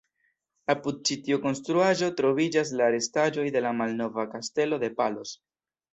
Apud ĉi tiu konstruaĵo, troviĝas la restaĵoj de la malnova kastelo de Palos.